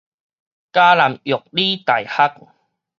嘉南藥理大學